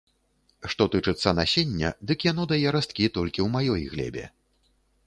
Што тычыцца насення, дык яно дае расткі толькі ў маёй глебе.